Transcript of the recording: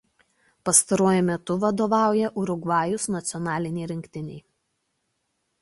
Pastaruoju metu vadovauja Urugvajaus nacionalinei rinktinei.